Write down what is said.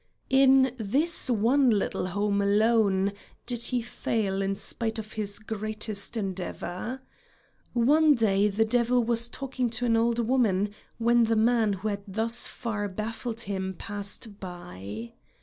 In this one little home alone did he fail in spite of his greatest endeavor. One day the devil was talking to an old woman, when the man who had thus far baffled him passed by.